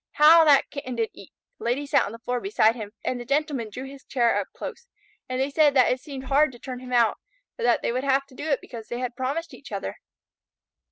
How that Kitten did eat! The Lady sat on the floor beside him, and the Gentleman drew his chair up close, and they said that it seemed hard to turn him out, but that they would have to do it because they had promised each other.